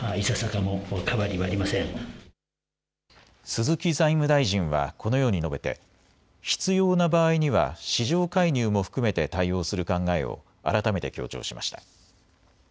鈴木財務大臣はこのように述べて必要な場合には市場介入も含めて対応する考えを改めて強調しました。